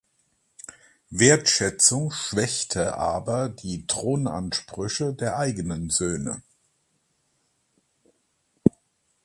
Wertschätzung schwächte aber die Thronansprüche der eigenen Söhne.